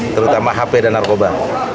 terutama hp dan narkoba